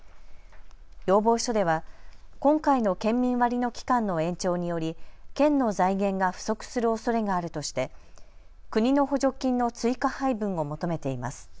要望書では今回の県民割の期間の延長により県の財源が不足するおそれがあるとして国の補助金の追加配分を求めています。